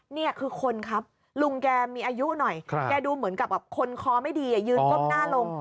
นี่คือคนครับลุงแกมีอายุหน่อยแกดูเหมือนกับคนคอไม่ดียืนก้มหน้าลง